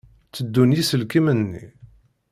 Tteddun yiselkimen-nni?